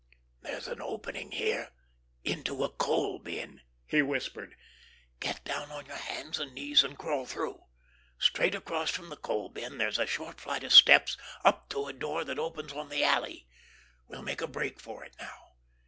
"There's an opening here into a coal bin," he whispered. "Get down on your hands and knees and crawl through. Straight across from the coal bin there's a short flight of steps up to a door that opens on the alley. We'll make a break for it now.